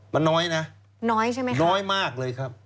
มันน้อยนะน้อยมากเลยครับ